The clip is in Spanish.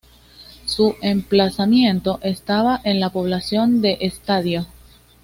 Su emplazamiento estaba en la población de Stadio.